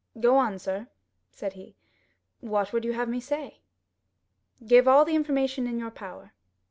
0099m "Go on, sir," said he. "What would you have me say?" "Give all the information in your power."